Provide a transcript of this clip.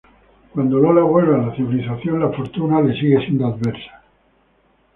Cuando Lola vuelve a la civilización, la fortuna le sigue siendo adversa.